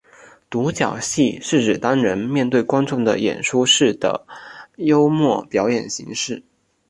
独角戏是指单人直接面对观众的演说式的幽默表演形式。